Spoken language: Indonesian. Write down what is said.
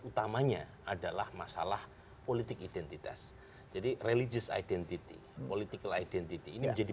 utamanya adalah masalah politik identitas jadi religius identity political identity ini menjadi